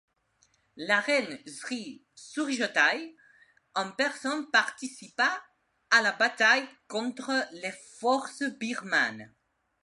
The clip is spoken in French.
La reine Sri Suriyothai en personne participa à la bataille contre les forces birmanes.